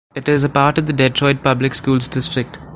It is a part of the Detroit Public Schools district.